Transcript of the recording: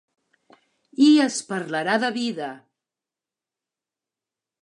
I es parlarà de vida.